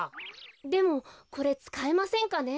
でもこれつかえませんかね。